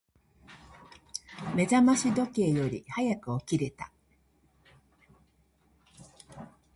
目覚まし時計より早く起きれた。